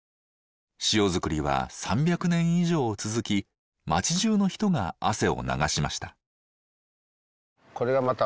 塩づくりは３００年以上続き町じゅうの人が汗を流しました。